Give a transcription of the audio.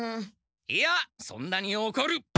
いやそんなにおこる！